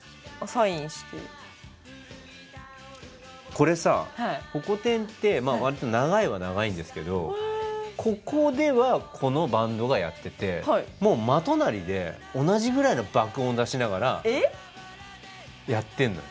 これさホコ天ってわりと長いは長いんですけどここではこのバンドがやっててもう真隣で同じぐらいの爆音を出しながらやってんのよ。